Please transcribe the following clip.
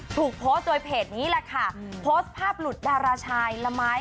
ถูกโพสต์โดยเพจนี้แหละค่ะโพสต์ภาพหลุดดาราชายละไม้